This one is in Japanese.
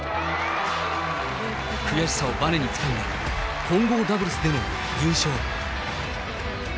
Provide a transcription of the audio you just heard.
悔しさをばねにつかんだ混合ダブルスでの優勝。